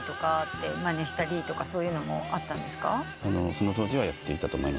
その当時はやっていたと思いますね。